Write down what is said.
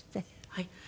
はい。